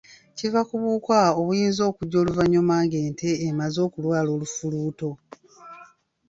Kiva ku buwuka obuyinza okujja oluvannyuma ng’ente emaze okulwala olufuluuto.